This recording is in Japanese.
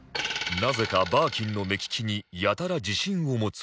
なぜかバーキンの目利きにやたら自信を持つ嶋佐